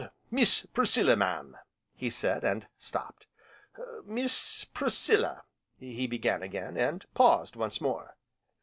"Miss Priscilla, mam " he said, and stopped. "Miss Priscilla," he began again, and paused once more.